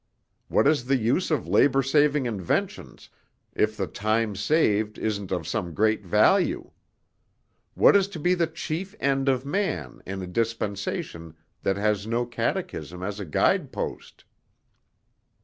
What is the use of labor saving inventions, if the time saved isn't of some great value? What is to be the chief end of man in a dispensation that has no catechism as a guide post?"